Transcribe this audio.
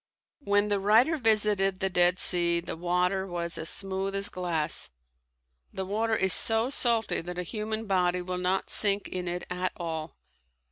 When the writer visited the Dead Sea the water was as smooth as glass. The water is so salty that a human body will not sink in it at all.